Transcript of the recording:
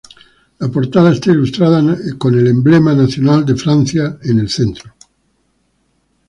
La portada está ilustrada con el Emblema nacional de Francia al centro.